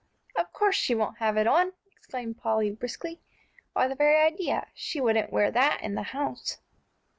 "Of course she won't have it on!" exclaimed Polly, briskly. "Why, the very idea, she wouldn't wear that in the house!"